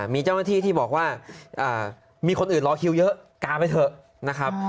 มีเจ้าหน้าที่ที่บอกว่ามีคนอื่นรอคิวเยอะกาไปเถอะนะครับ